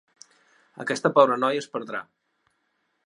Aquesta pobra noia es perdrà.